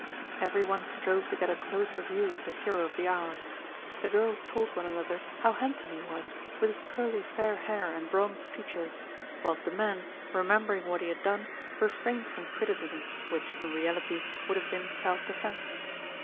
Every one strove to get a closer view of the hero of the hour. The girls told one another how handsome he was, with his curly fair hair and bronzed features; whilst the men, remembering what he had done, re frained from criticism, which, in reality, would have been self defence.